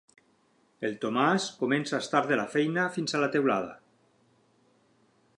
El Tomàs comença a estar de la feina fins a la teulada.